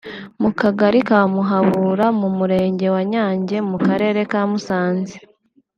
mu Kagali ka Muhabura mu Murenge wa Nyange mu Karere ka Musanze